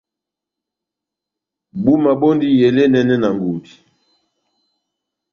Búma bondi elé enɛnɛ na ngudi.